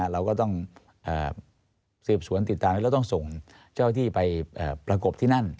เราก็ต้องสืบสวนติดตามแล้วต้องส่งเจ้าที่ไปประกบที่นั่น